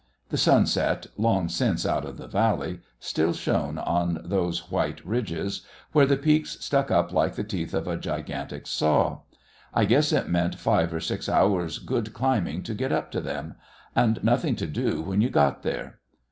The sunset, long since out of the valley, still shone on those white ridges, where the peaks stuck up like the teeth of a gigantic saw. I guess it meant five or six hours' good climbing to get up to them and nothing to do when you got there.